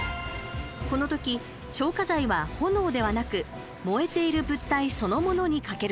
この時、消火剤は炎ではなく燃えている物体そのものにかけること。